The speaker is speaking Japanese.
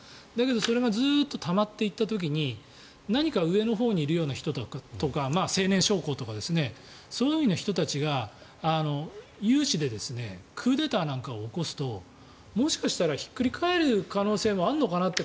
それがずっとたまっていった時に何か上にいるような人とか青年将校とかそういう人たちが有志でクーデターなんかを起こすともしかしたらひっくり返る可能性もあるのかなって